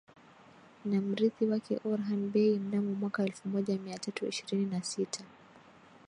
na mrithi wake Orhan Bey mnamo mwaka elfumoja miatatu ishirini na sita